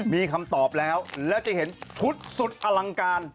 มีคำตอบแล้วแล้วจะเห็นชุดสุดอลังการ